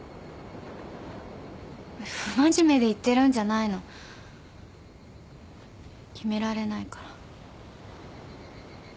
不真面目で言ってるんじゃないの。決められないから。